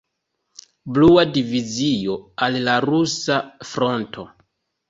Blua Divizio al la Rusa Fronto.